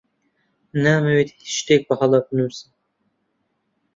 نامەوێت هیچ شتێک بەهەڵە بنووسم.